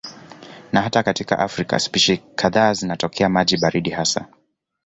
Na hata katika Afrika spishi kadhaa zinatokea maji baridi hasa.